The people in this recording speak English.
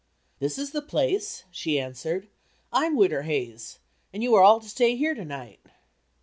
"This is the place," she answered; "I'm Widder Hayes and you are all to stay here to night."